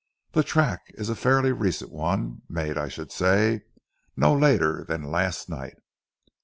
The track is a fairly recent one, made, I should say, no later than last night."